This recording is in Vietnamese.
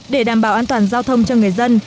để đảm bảo an toàn giao thông cho người dân